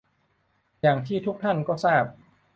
อย่างที่ทุกท่านก็ทราบ